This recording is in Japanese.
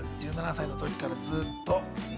１７歳の時からずっと。